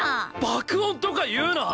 爆音とか言うな！